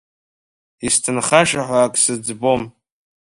Исҭынхаша ҳәа ак сыӡбом.